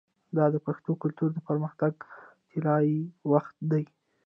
دا د پښتو کلتور د پرمختګ طلایی وخت دی.